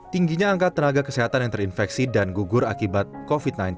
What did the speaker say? tingginya angka tenaga kesehatan yang terinfeksi dan gugur akibat covid sembilan belas